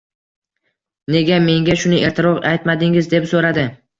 Nega, menga shuni ertaroq aytmadingiz, deb so`radi